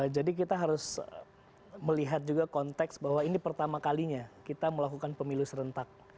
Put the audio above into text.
jadi kita harus melihat juga konteks bahwa ini pertama kalinya kita melakukan pemilu serentak